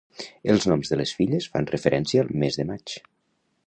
Els noms de les filles fan referència al mes de maig.